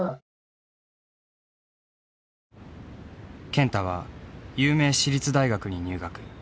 健太は有名私立大学に入学。